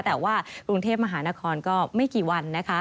แต่ว่ากรุงเทพมหานครก็ไม่กี่วันนะคะ